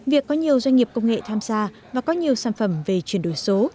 việc có nhiều doanh nghiệp công nghệ tham gia và có nhiều sản phẩm về chuyển đổi số